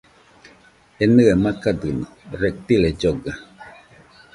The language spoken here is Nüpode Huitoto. Enɨe makadɨno, reptiles lloga